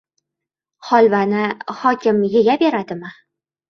Holvani hokim yeyaveradimi?